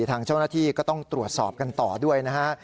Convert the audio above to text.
ทางเจ้าหน้าที่ก็ต้องตรวจสอบกันต่อด้วยนะฮะ